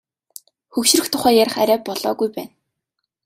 Хөгшрөх тухай ярих арай болоогүй байна.